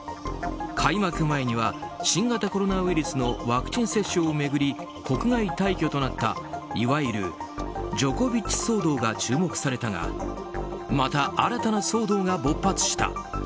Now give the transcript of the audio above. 開幕前には新型コロナウイルスのワクチン接種を巡り国外退去となったいわゆるジョコビッチ騒動が注目されたがまた新たな騒動が勃発した。